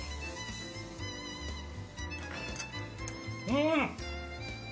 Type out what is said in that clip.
うん！